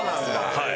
はい。